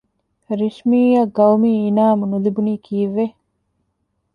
ރިޝްމީއަށް ގައުމީ އިނާމު ނުލިބުނީ ކީއްވެ؟